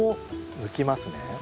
抜きますね。